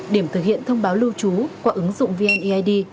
điểm thực hiện thông báo lưu trú qua ứng dụng vneid